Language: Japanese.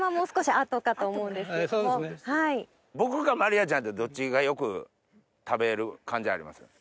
僕かまりあちゃんってどっちがよく食べる感じあります？